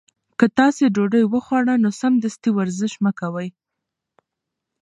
که تاسي ډوډۍ وخوړه نو سمدستي ورزش مه کوئ.